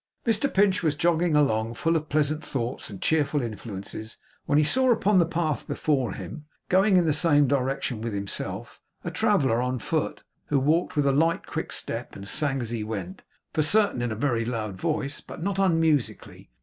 Mr Pinch was jogging along, full of pleasant thoughts and cheerful influences, when he saw, upon the path before him, going in the same direction with himself, a traveller on foot, who walked with a light quick step, and sang as he went for certain in a very loud voice, but not unmusically.